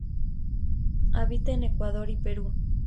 Habita en Ecuador y Perú.